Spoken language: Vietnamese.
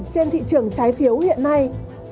trên thị trường trái phiếu hiện nay